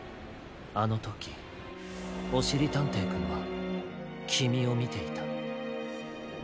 あのときおしりたんていくんはきみをみていた。